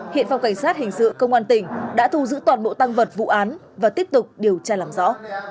hiện phòng cảnh sát hình sự công an tỉnh đã thu giữ toàn bộ tăng vật vụ án và tiếp tục điều tra làm rõ